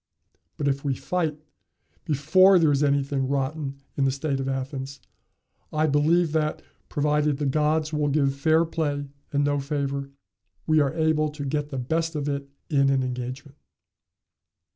But if we fight, before there is anything rotten in the state of Athens, I believe that, provided the gods will give fair play and no favor, we are able to get the best of it in an engagement."